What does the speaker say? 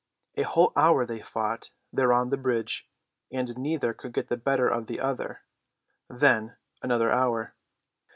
A whole hour they fought there on the bridge, and neither could get the better of the other, then another hour.